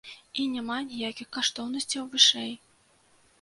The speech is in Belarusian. І няма ніякіх каштоўнасцяў вышэй.